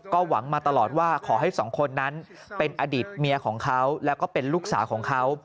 ก็หวังมาตลอดว่าขอให้สองคนนั้นเป็นอดีตเมียของเขาแล้วก็เป็นลูกสาวของเขา